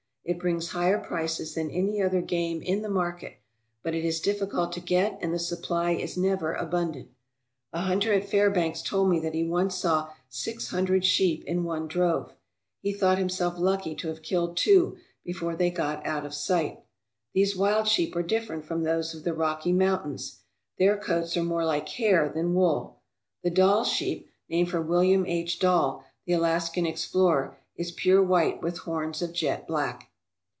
It brings higher prices than any other game in the market, but it is difficult to get and the supply is never abundant. A hunter at Fairbanks told me that he once saw six hundred sheep in one drove. He thought himself lucky to have killed two before they got out of sight. These wild sheep are different from those of the Rocky Mountains. Their coats are more like hair than wool. The Dall sheep, named for William H. Dall, the Alaskan explorer, is pure white with horns of jet black.